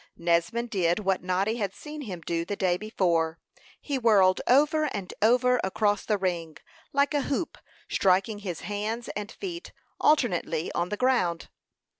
Nesmond did what Noddy had seen him do the day before; he whirled over and over across the ring, like a hoop, striking his hands and feet alternately on the ground.